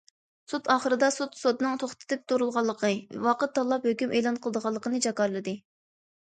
سوت ئاخىرىدا، سوت سوتنىڭ توختىتىپ تۇرۇلغانلىقى، ۋاقىت تاللاپ ھۆكۈم ئېلان قىلىدىغانلىقىنى جاكارلىدى.